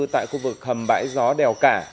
tại khu vực hầm bãi gió đèo cả